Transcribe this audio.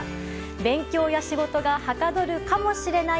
勉強や仕事がはかどるかもしれない